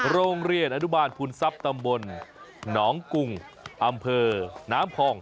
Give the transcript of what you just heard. โรงเรียนอนุบาลภูมิทรัพย์ตำบลหนองกุงอำเภอน้ำพอง